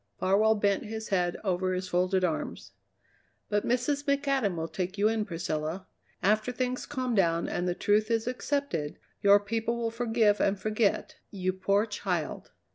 Farwell bent his head over his folded arms. "But Mrs. McAdam will take you in, Priscilla. After things calm down and the truth is accepted, your people will forgive and forget. You poor child!"